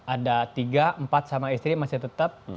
ada tiga empat sama istri masih tetap